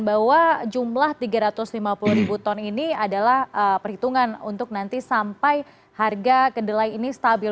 bahwa jumlah tiga ratus lima puluh ribu ton ini adalah perhitungan untuk nanti sampai harga kedelai ini stabil